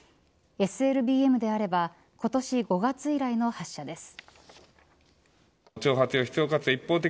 ＳＬＢＭであれば今年５月以来の発射です。